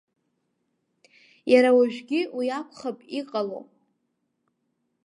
Иара уажәгьы уи акәхап иҟало.